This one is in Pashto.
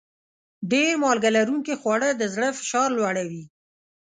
ډېر مالګه لرونکي خواړه د زړه فشار لوړوي.